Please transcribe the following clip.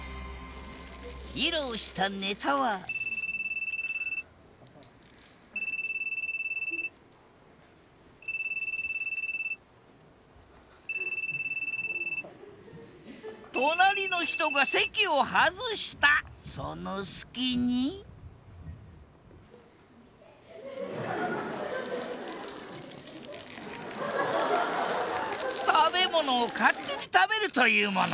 披露したネタは隣の人が席を外したその隙に食べ物を勝手に食べるというもの。